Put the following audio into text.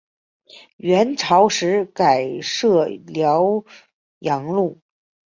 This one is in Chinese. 元朝时改置辽阳路。